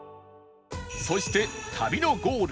そして旅のゴール